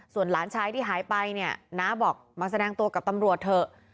ส่วนหลานชายที่หายไปเนี่ยน้าบอกมาแสดงตัวกับตำรวจเถอะ